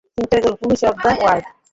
Interpol, police of the world.